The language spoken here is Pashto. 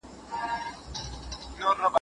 حقیقت باید هېڅکله د سیاست قرباني نه سي.